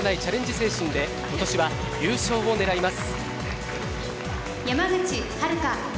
精神で今年は優勝を狙います。